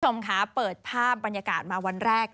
คุณผู้ชมคะเปิดภาพบรรยากาศมาวันแรก